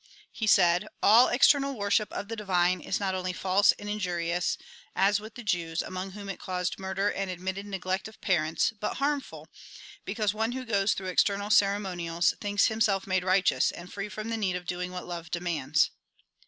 He said :" All external worship of the divine is not only false and injurious, as with the Jews, among whom it caused murder and 172 THE GOSPEL IN BRIEF admitted neglect of parents, but harmful, because one who goes through external ceremonials, thinks himself made righteous, and free from the need of doing what love demands."